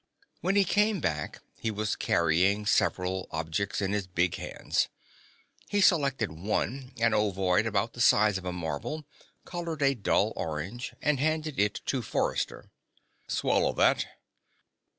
When he came back, he was carrying several objects in his big hands. He selected one, an ovoid about the size of a marble, colored a dull orange, and handed it to Forrester. "Swallow that."